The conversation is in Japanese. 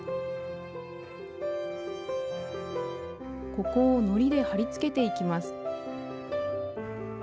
ここをのりで貼り付けていきます